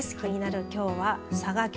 きょうは佐賀局。